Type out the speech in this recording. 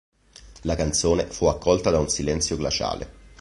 La canzone fu accolta da un silenzio glaciale.